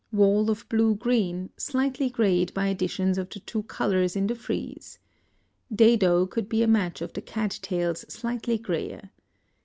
Wall of blue green, slightly grayed by additions of the two colors in the frieze. Dado could be a match of the cat tails slightly grayer.